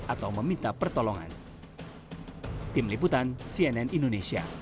atau meminta pertolongan